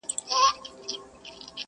موږکان د غار په خوله کي ګرځېدله..